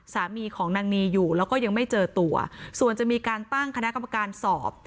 สามีของนางนีอยู่แล้วก็ยังไม่เจอตัวส่วนจะมีการตั้งคณะกรรมการสอบ